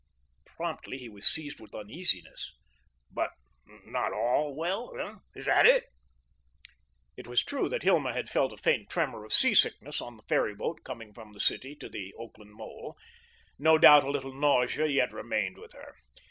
Promptly he was seized with uneasiness. "But not ALL well, hey? Is that it?" It was true that Hilma had felt a faint tremour of seasickness on the ferry boat coming from the city to the Oakland mole. No doubt a little nausea yet remained with her.